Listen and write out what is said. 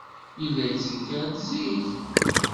Yella yettenkar-d zik.